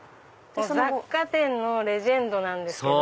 雑貨店のレジェンドなんですけど。